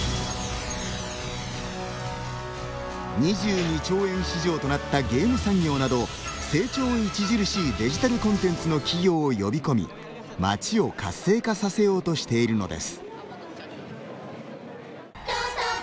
２２兆円市場となったゲーム産業など、成長著しいデジタルコンテンツの企業を呼び込み街を活性化させようとしているのです。